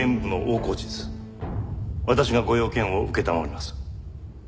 私がご用件を承ります。